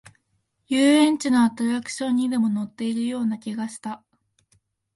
遊園地のアトラクションにでも乗っているような気がした